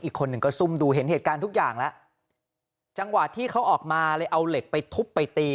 อีกคนหนึ่งก็ซุ่มดูเห็นเหตุการณ์ทุกอย่างแล้วจังหวะที่เขาออกมาเลยเอาเหล็กไปทุบไปตี